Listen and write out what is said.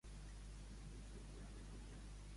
Què es posa a fer l'home?